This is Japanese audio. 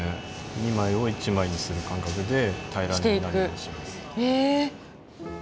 ２枚を１枚にする感覚で平らになるようにします。